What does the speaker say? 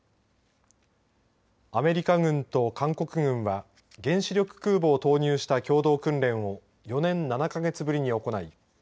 アメリカ軍と韓国軍は原子力空母を投入した共同訓練を４年７か月ぶりに行い